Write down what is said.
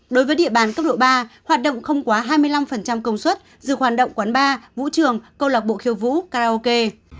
đối với địa bàn cấp độ ba hoạt động không quá hai mươi năm công suất dừng hoạt động quán bar vũ trường câu lạc bộ khiêu vũ karaoke